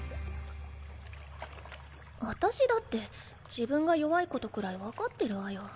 私だって自分が弱いことくらい分かってるわよ。